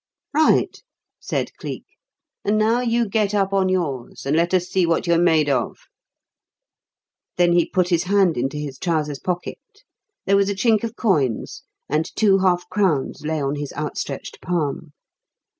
"Right," said Cleek. "And now you get up on yours and let us see what you're made of." Then he put his hand into his trousers pocket; there was a chink of coins and two half crowns lay on his outstretched palm.